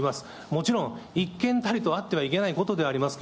もちろん一件たりともあってはいけないことであります